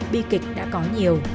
bi kịch đã có nhiều